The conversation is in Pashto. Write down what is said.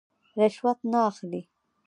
رشوت نه اخلي.